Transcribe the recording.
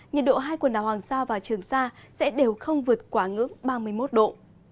nhiệt độ hai quần đảo hoàng sa và trường sa sẽ đều không vượt quá ngưỡng ba mươi một độ